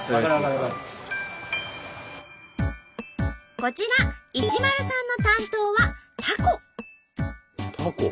こちら石丸さんの担当はタコ。